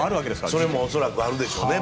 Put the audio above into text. それも恐らくあるでしょうね。